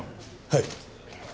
はい。